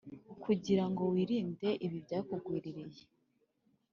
kugira ngo wirinde ibi byakugwiririye,